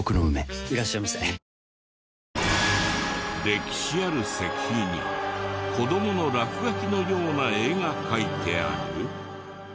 歴史ある石碑に子どもの落書きのような絵が描いてある？